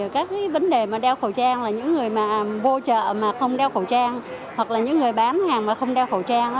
các chợ mà không đeo khẩu trang hoặc là những người bán hàng mà không đeo khẩu trang